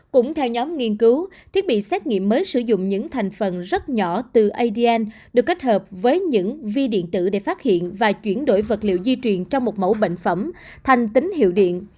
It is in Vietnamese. cũng theo nhóm nghiên cứu thiết bị xét nghiệm mới sử dụng những thành phần rất nhỏ từ adn được kết hợp với những vi điện tử để phát hiện và chuyển đổi vật liệu di truyền trong một mẫu bệnh phẩm thành tính hiệu điện